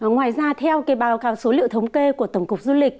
ngoài ra theo báo cáo số liệu thống kê của tổng cục du lịch